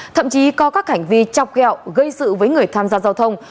thậm chí có các hành vi chọc gẹo gây sự với người tham gia giao thông